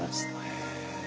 へえ。